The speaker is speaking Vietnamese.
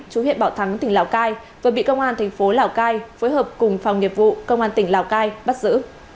chú huyện bảo thắng tỉnh lào cai vừa bị công an thành phố lào cai phối hợp cùng phòng nghiệp vụ công an tỉnh lào cai bắt giữ